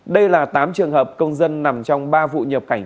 đây là tám trường hợp công dân nằm trong ba vụ nhập cảnh